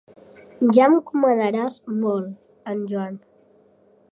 Ja em comanaràs molt en Joan.